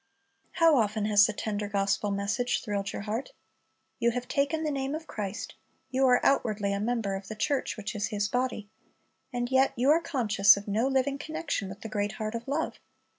How often has the tender gospel message thrilled your heart! You have taken the name of Christ, you are outwardly a member of the church which is His body, and yet you are conscious of no living connection with the great heart of love.